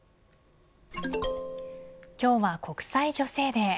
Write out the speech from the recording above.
今日は国際女性デー。